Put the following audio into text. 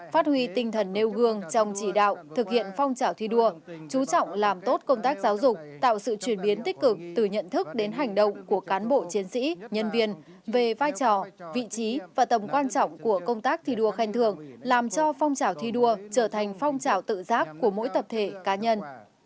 phát huy tinh thần nêu gương trong chỉ đạo thực hiện phong trào thi đua chú trọng làm tốt công tác giáo dục tạo sự chuyển biến tích cực từ nhận thức đến hành động của cán bộ chiến sĩ nhân viên về vai trò vị trí và tầm quan trọng của công tác thi đua khen thường làm cho phong trào thi đua trở thành phong trào tự giác của mỗi tập thể cá nhân